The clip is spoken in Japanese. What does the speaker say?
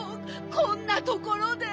こんなところで。